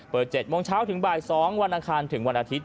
๗โมงเช้าถึงบ่าย๒วันอังคารถึงวันอาทิตย